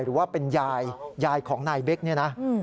หรือว่าเป็นยายยายของนายเบคเนี่ยนะ